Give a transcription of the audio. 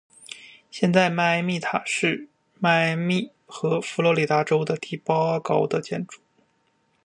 现在迈阿密塔是迈阿密和佛罗里达州第八高的建筑。